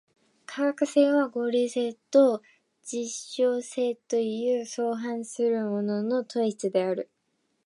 科学性は合理性と実証性という相反するものの統一である。